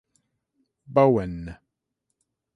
Bowen.